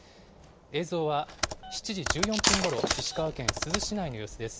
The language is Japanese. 映像は７時１４分ごろ、石川県珠洲市内の様子です。